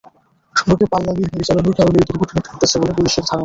সড়কে পাল্লা দিয়ে গাড়ি চালানোর কারণেই দুর্ঘটনাটি ঘটেছে বলে পুলিশের ধারণা।